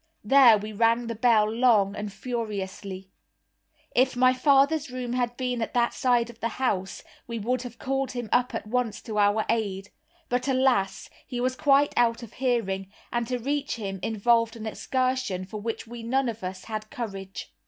There we rang the bell long and furiously. If my father's room had been at that side of the house, we would have called him up at once to our aid. But, alas! he was quite out of hearing, and to reach him involved an excursion for which we none of us had courage.